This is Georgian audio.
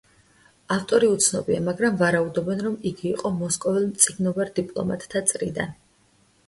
ავტორია უცნობია, მაგრამ ვარაუდობენ, რომ იგი იყო მოსკოველ მწიგნობარ დიპლომატთა წრიდან.